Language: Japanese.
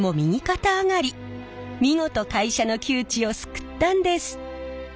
見事会社の窮地を救ったんです。